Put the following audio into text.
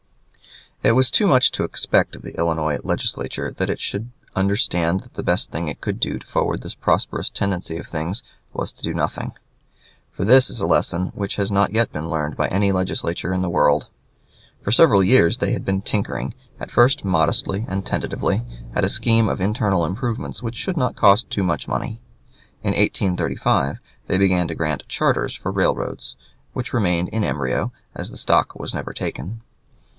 It was too much to expect of the Illinois Legislature that it should understand that the best thing it could do to forward this prosperous tendency of things was to do nothing; for this is a lesson which has not yet been learned by any legislature in the world. For several years they had been tinkering, at first modestly and tentatively, at a scheme of internal improvements which should not cost too much money. In 1835 they began to grant charters for railroads, which remained in embryo, as the stock was never taken.